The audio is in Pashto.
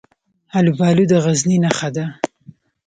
الوبالو د غزني نښه ده.